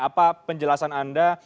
apa penjelasan anda